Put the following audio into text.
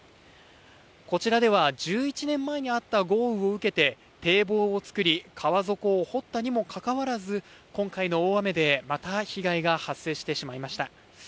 こちらでは１１年前にあった豪雨を受けて、堤防を造り、川底を掘ったにもかかわらず、今回の大雨でまた被害が発生してしまいました。